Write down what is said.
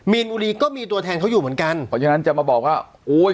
มีนบุรีก็มีตัวแทนเขาอยู่เหมือนกันเพราะฉะนั้นจะมาบอกว่าโอ้ย